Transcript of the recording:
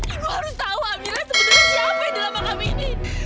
ibu harus tahu amira sebenarnya siapa yang dalam makam ini